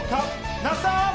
那須さん！